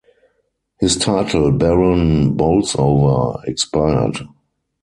His title “Baron Bolsover” expired.